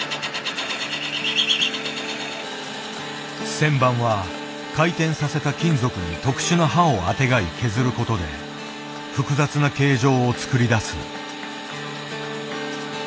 旋盤は回転させた金属に特殊な刃をあてがい削ることで複雑な形状を作り出す。